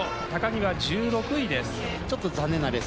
木は１６位です。